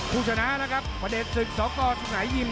ผู้ชนะนะครับประเด็จศึกสกสุหายิม